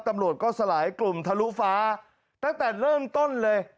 ตำรวจก็สลายกลุ่มทะลุฟ้าตั้งแต่เริ่มต้นเลย